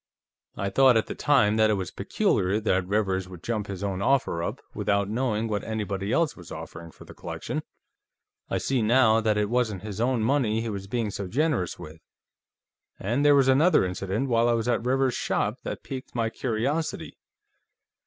"I thought, at the time, that it was peculiar that Rivers would jump his own offer up, without knowing what anybody else was offering for the collection. I see, now, that it wasn't his own money he was being so generous with. And there was another incident, while I was at Rivers's shop, that piqued my curiosity.